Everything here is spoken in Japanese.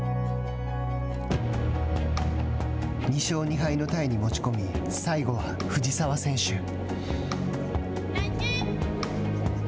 ２勝２敗のタイに持ち込み最後は藤澤選手。